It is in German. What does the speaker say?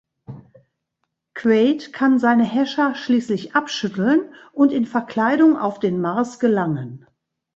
Quaid kann seine Häscher schließlich abschütteln und in Verkleidung auf den Mars gelangen.